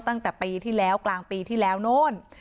ตั้งแต่ปีที่แล้วกลางปีที่แล้วโน่น